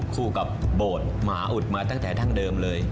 คู่กับโบสถ์หมาอุดมาตั้งแต่ดั้งเดิมเลย